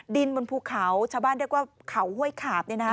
ดินบนภูเขาชาวบ้านเรียกว่าเขาห้วยขาบ